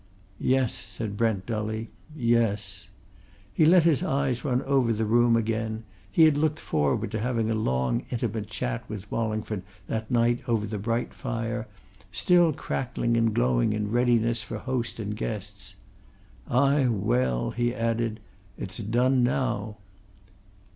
"Yes," said Brent dully. "Yes." He let his eyes run over the room again he had looked forward to having a long, intimate chat with Wallingford that night over the bright fire, still crackling and glowing in readiness for host and guest. "Ay, well!" he added. "It's done now!"